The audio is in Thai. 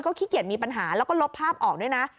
ขี้เกียจมีปัญหาแล้วก็ลบภาพออกด้วยนะ